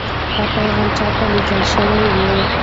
دا پیغام چا ته لېږل شوی و؟